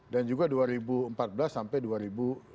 dan juga dua ribu empat belas sampai dua ribu lima belas